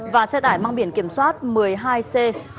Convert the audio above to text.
và xe tải mang biển kiểm soát một mươi hai c sáu nghìn năm trăm bốn mươi năm